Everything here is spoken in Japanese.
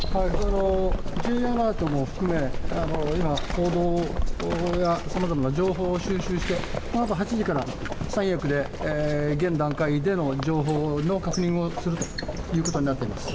Ｊアラートも含め、今、報道やさまざまな情報を収集して、このあと８時から三役で現段階での情報の確認をするということになっています。